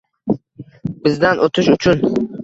Bizdan o'tish uchun